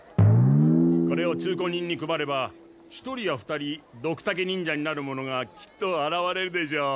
これを通行人に配れば１人や２人ドクタケ忍者になるものがきっとあらわれるでしょう。